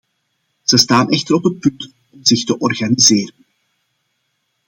Ze staan echter op het punt om zich te organiseren.